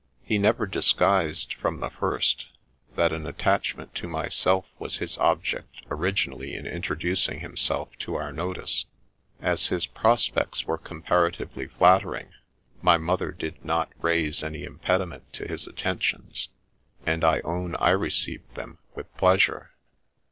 He never disguised, from the first, that an attachment to myself was his object originally in introducing himself to our notice. As his prospects were comparatively flattering, my mother did not raise any impediment to his attentions, and I own I received them with pleasure.